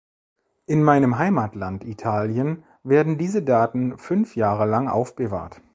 In meinem Heimatland, Italien, werden diese Daten fünf Jahre lang aufbewahrt.